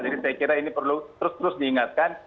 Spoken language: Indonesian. jadi saya kira ini perlu terus terus diingatkan